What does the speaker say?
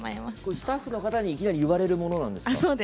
スタッフの方にいきなり言われるものですか？